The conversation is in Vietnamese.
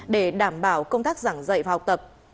để đảm bảo công tác giảng dạy và học tập